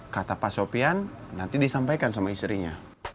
kata pak sofian nanti disampaikan sama istrinya